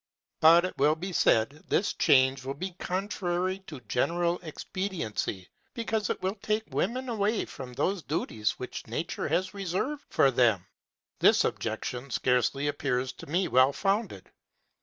But, it will be said, this change will be contrary to general expediency, because it will take women away from those duties which nature has reserved for them. This objection scarcely appears to me well founded.